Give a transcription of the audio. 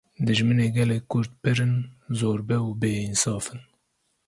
Dijminê gelê kurd pir in, zorbe û bêînsaf in.